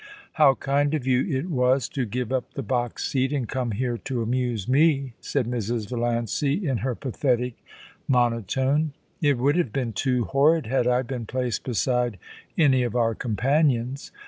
* How kind of you it was to give up the box seat and come here to amuse me,' said Mrs. Valiancy in her pathetic 30 POLICY AND PASSION. monotone. * It would have been too horrid had I been placed beside any of our companions.